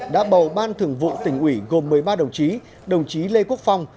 đã bầu ban thường vụ tỉnh ủy gồm một mươi ba đồng chí đồng chí lê quốc phong